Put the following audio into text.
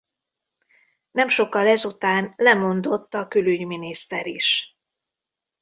Nem sokkal ezután lemondott a külügyminiszter is.